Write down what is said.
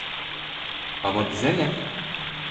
Ama bize ne?